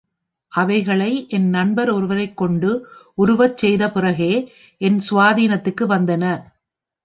அவைகளை என், நண்பர் ஒருவரைக் கொண்டு உருவச் செய்த பிறகே என் சுவா தீனத்திற்கு வந்தன!